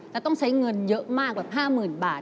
แล้วต้องใช้เงินเยอะมากแบบ๕๐๐๐บาท